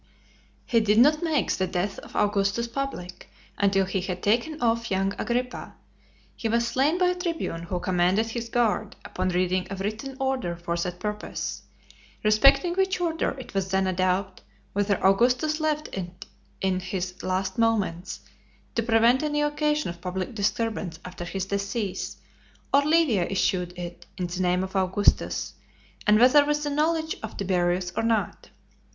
XXII. He did not make the death of Augustus public, until he had taken off young Agrippa. He was slain by a tribune who commanded his guard, upon reading a written order for that purpose: respecting which order, it was then a doubt, whether Augustus left it in his last moments, to prevent any occasion of public disturbance after his decease, or Livia issued it, in the name of Augustus; and whether with the knowledge of Tiberius or not.